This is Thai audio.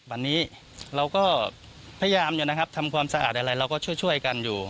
วันนี้เราก็พยายามอยู่นะครับทำความสะอาดอะไรเราก็ช่วยกันอยู่